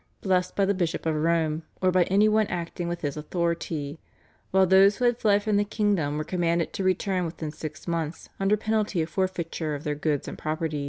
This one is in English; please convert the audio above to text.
blessed by the Bishop of Rome, or by any one acting with his authority; while those who had fled from the kingdom were commanded to return within six months under penalty of forfeiture of their goods and property.